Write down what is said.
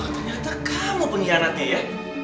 ternyata kamu penyiharatnya ya